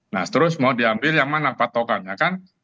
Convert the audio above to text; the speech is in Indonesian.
nah terus mau diambil yang mana patokannya kan